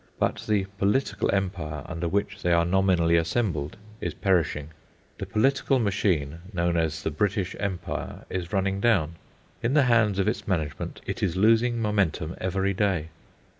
But the political empire under which they are nominally assembled is perishing. The political machine known as the British Empire is running down. In the hands of its management it is losing momentum every day.